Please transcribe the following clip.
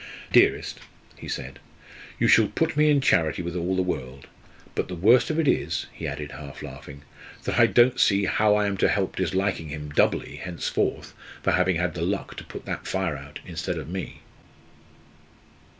"Dearest," he said, "you shall put me in charity with all the world. But the worst of it is," he added, half laughing, "that I don't see how I am to help disliking him doubly henceforward for having had the luck to put that fire out instead of me!"